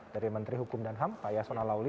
dari menteri hukum dan ham pak yasona lauli